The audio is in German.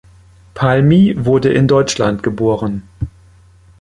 Palmi wurde in Deutschland geboren.